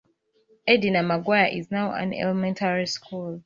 Edna Maguire is now an elementary school.